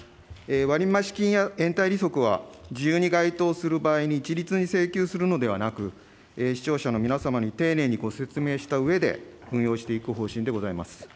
割増金や延滞利息は、事由に該当する場合に一律に請求するのではなく、視聴者の皆様に丁寧にご説明したうえで運用していく方針でございます。